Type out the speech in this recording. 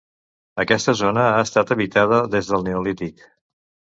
Aquesta zona ha estat habitada des del neolític.